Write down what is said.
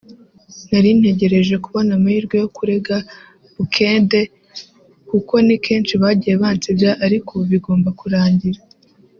“Nari ntegereje kubona amahirwe yo kurega Bukedde kuko ni kenshi bagiye bansebya ariko ubu bigomba kurangira